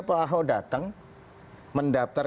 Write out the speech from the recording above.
pak ahok datang mendaftar